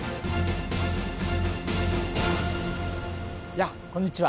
やあこんにちは。